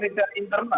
itu adalah intrema